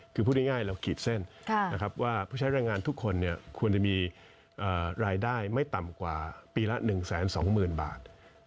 คือพูดง่ายเราขีดเส้นว่าผู้ใช้แรงงานทุกคนควรจะมีรายได้ไม่ต่ำกว่าปีละ๑๒๐๐๐บาท